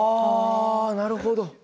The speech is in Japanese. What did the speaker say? あなるほど！